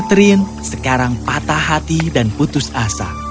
trin sekarang patah hati dan putus asa